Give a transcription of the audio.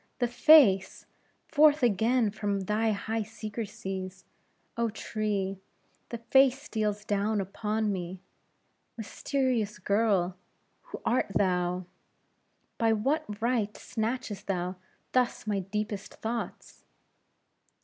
the face! forth again from thy high secrecies, oh, tree! the face steals down upon me. Mysterious girl! who art thou? by what right snatchest thou thus my deepest thoughts?